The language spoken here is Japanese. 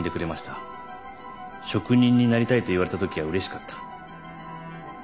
職人になりたいと言われたときはうれしかった。